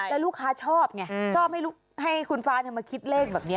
แล้วลูกค้าชอบไงชอบให้คุณฟ้ามาคิดเลขแบบนี้